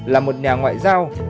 là một nhà ngoại giao